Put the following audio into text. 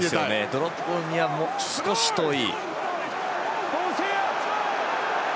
ドロップゴールにはもう少し遠い。